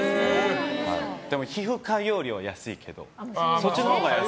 でも皮膚科よりも安いけど。